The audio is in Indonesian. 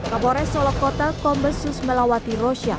kapolres solokota kombesus melawati rosia